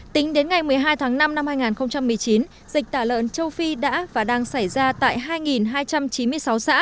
tính đến ngày một mươi hai tháng năm năm hai nghìn một mươi chín dịch tả lợn châu phi đã và đang xảy ra tại hai hai trăm chín mươi sáu xã